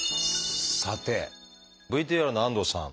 さてＶＴＲの安藤さん。